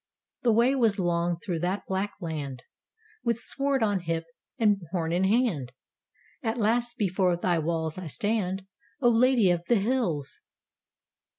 The way was long through that black land. With sword on hip and horn in hand, At last before thy walls I stand, O Lady of the Hills!